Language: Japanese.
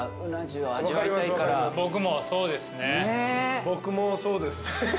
僕もそうです。